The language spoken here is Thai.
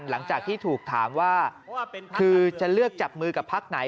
หลังจากที่ถูกถามว่าคือจะเลือกจับมือกับพักไหน